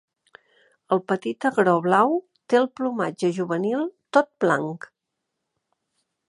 El petit agró blau té el plomatge juvenil tot blanc.